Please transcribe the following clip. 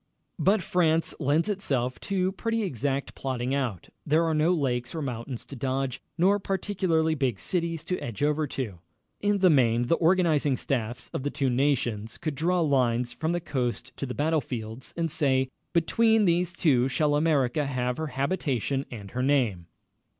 But France lends itself to pretty exact plotting out. There are no lakes or mountains to dodge, nor particularly big cities to edge over to. In the main, the organizing staffs of the two nations could draw lines from the coast to the battle fields, and say: "Between these two shall America have her habitation and her name."